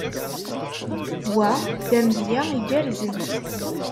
Wa d amedya igerrzen.